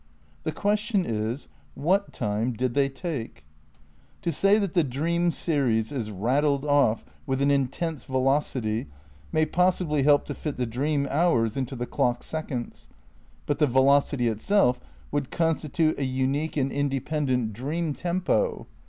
The question is : What time did they take 1 To say that the dream series is rattled off with an intense velocity may possibly help to fit the dream hours into the clock seconds; but the velocity itself would constitute a unique and independent dream 252 THE NEW IDEAIiISM vn tempo.